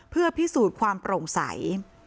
เพื่อพิสูจน์ความโปร่งใส